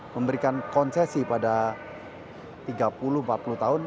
memberikan konsesi pada tiga puluh empat puluh tahun